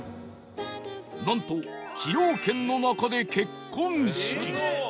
なんと崎陽軒の中で結婚式